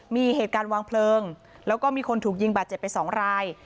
มีเหตุการณ์วางเพลิงแล้วก็มีคนถูกยิงบาดเจ็บไปสองราย